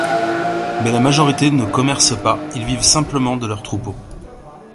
Mais la majorité ne commerce pas, ils vivent simplement de leur troupeau.